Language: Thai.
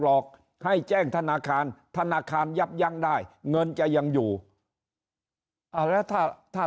หลอกให้แจ้งธนาคารธนาคารยับยั้งได้เงินจะยังอยู่อ่าแล้วถ้าถ้า